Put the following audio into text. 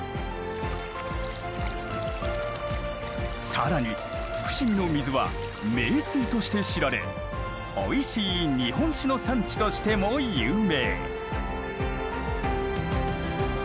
更に伏見の水は名水として知られおいしい日本酒の産地としても有名。